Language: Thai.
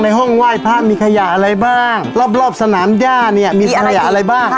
ห้องไหว้พระมีขยะอะไรบ้างรอบสนามย่าเนี่ยมีขยะอะไรบ้าง